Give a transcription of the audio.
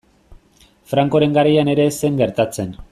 Francoren garaian ere ez zen gertatzen.